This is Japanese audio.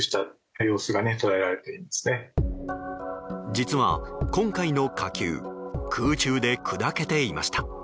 実は、今回の火球空中で砕けていました。